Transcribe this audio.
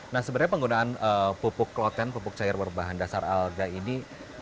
nah sebenarnya penggunaan pupuk kloten pupuk cair berbahan dasar alda ini